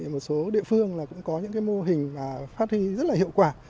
một số địa phương cũng có những mô hình phát huy rất hiệu quả